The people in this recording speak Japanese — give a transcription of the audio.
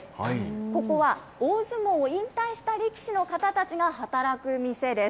ここは大相撲を引退した力士の方たちが働く店です。